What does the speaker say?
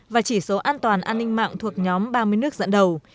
và chỉ số an toàn an ninh mạng thuộc nhóm ba mươi nước dẫn đầu